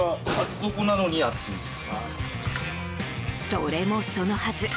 それも、そのはず。